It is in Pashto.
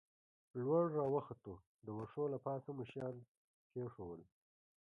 لوړ را وختو، د وښو له پاسه مو شیان کېښوول.